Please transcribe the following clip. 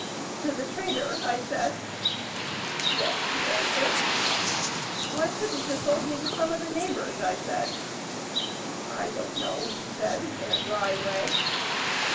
'To the trader,' I said. 'Yes,' he answered. 'Why couldn't you sold me to some of the neighbors?' I said. 'I don't know,' he said, in a dry way.